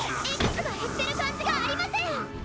Ｘが減ってる感じがありません！